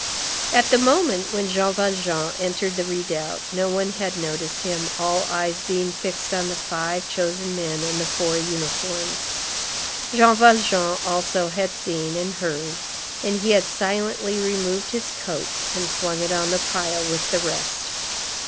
At the moment when Jean Valjean entered the redoubt, no one had noticed him, all eyes being fixed on the five chosen men and the four uniforms. Jean Valjean also had seen and heard, and he had silently removed his coat and flung it on the pile with the rest.